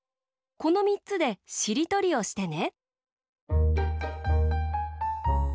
このよっつでしりとりをしてね。